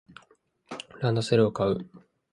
ランドセルを買う